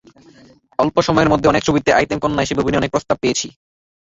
অল্প সময়ের মধ্যে অনেক ছবিতে আইটেম কন্যা হিসেবে অভিনয়ের অনেক প্রস্তাব পেয়েছি।